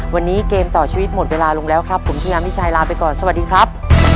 วันนี้เกมต่อชีวิตหมดเวลาลงแล้วครับผมชายามิชัยลาไปก่อนสวัสดีครับ